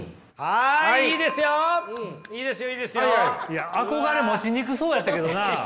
いや憧れ持ちにくそうやったけどな。